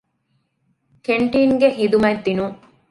ކެންޓީންގެ ހިދުމަތް ދިނުން